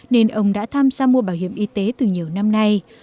nên ông đã tham gia mua bảo hiểm y tế từ nhiều năm nay